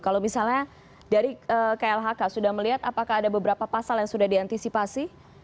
kalau misalnya dari klhk sudah melihat apakah ada beberapa pasal yang sudah diantisipasi